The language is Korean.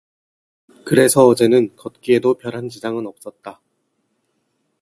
그래서 어제는 걷기에도 별한 지장은 없었다.